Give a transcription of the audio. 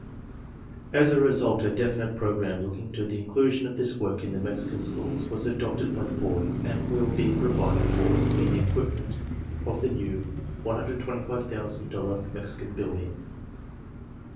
As a result a definite program looking to the inclusion of this work in the Mexican schools was adopted by the board and will be provided for in the equipment of the new $125,000 Mexican building.